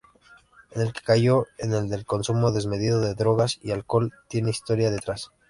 El que cayó, el del consumo desmedido de drogas y alcohol, tiene historia detrás.".